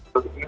masih juga ya